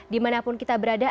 dimanapun kita berada